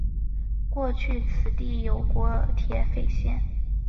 过去此地有国铁废线。